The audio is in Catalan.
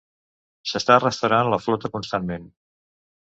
S'està restaurant la flota constantment.